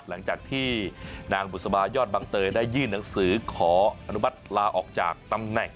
หลังจากที่นางบุษบายอดบังเตยได้ยื่นหนังสือขออนุมัติลาออกจากตำแหน่ง